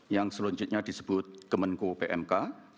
yang selanjutnya disebut kemenko pmk